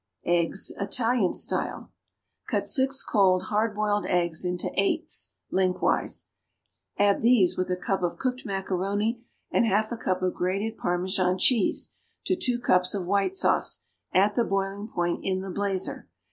=Eggs.= (Italian Style.) Cut six cold, hard boiled eggs into eighths lengthwise; add these, with a cup of cooked macaroni and half a cup of grated Parmesan cheese, to two cups of white sauce, at the boiling point, in the blazer.